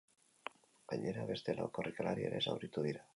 Gainera, beste lau korrikalari ere zauritu dira.